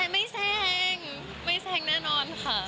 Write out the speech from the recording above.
ไม่แซงไม่แซงแน่นอนค่ะ